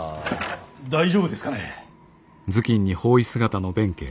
大丈夫ですかね。